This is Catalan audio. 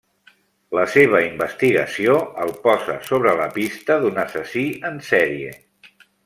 La seva investigació el posa sobre la pista d'un assassí en sèrie.